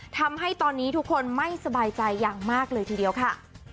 ทำให้ตอนนี้ทุกคนไม่สบายใจอย่างมากเลยทีเดียวค่ะ